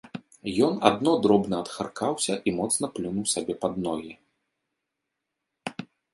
Ён адно дробна адхаркаўся і моцна плюнуў сабе пад ногі.